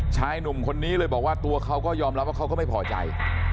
ชายหนุ่มคนนี้เลยบอกว่าตัวเขาก็ยอมรับว่าเขาก็ไม่พอใจ